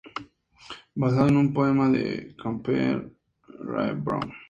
Basado en un poema de Campbell Rae Brown.